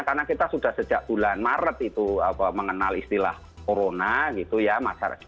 karena kita sudah sejak bulan maret itu mengenal istilah corona gitu ya masyarakat